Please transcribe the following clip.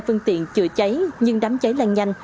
phương tiện chữa cháy nhưng đám cháy lan nhanh